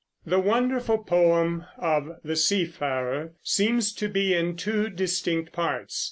The wonderful poem of "The Seafarer" seems to be in two distinct parts.